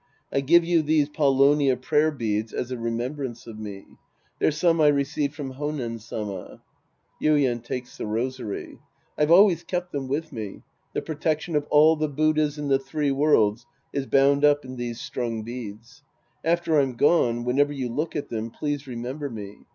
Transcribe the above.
I give you these paulownia prayer beads as a remembrance of me. They're some I received from H5ncn Sama. (Yuien takes the rosary^ I've always kept them with me. The protection of all the Buddhas in the three worlds is bound up in these strung beads. After I'm gone, whenever you look at them, please remember me.